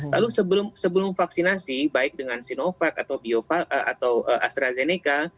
lalu sebelum vaksinasi baik dengan sinovac atau astrazeneca